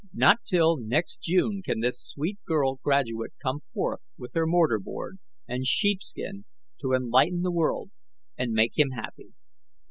Not till next June can this sweet girl graduate come forth with her mortar board and sheepskin to enlighten the world and make him happy.